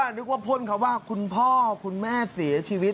นึกว่าพ่นคำว่าคุณพ่อคุณแม่เสียชีวิต